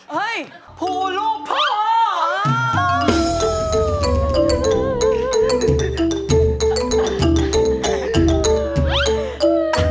เฮ้ยภูลูกพ่อ